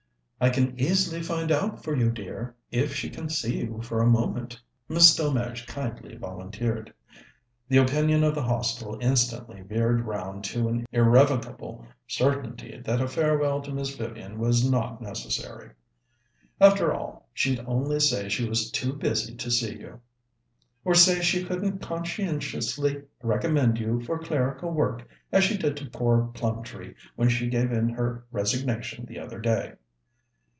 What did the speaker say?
"I can easily find out for you, dear, if she can see you for a moment," Miss Delmege kindly volunteered. The opinion of the Hostel instantly veered round to an irrevocable certainty that a farewell to Miss Vivian was not necessary. "After all, she'd only say she was too busy to see you." "Or say she couldn't conscientiously recommend you for clerical work, as she did to poor Plumtree when she gave in her resignation the other day."